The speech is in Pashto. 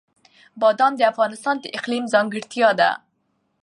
بادام د افغانستان د اقلیم ځانګړتیا ده.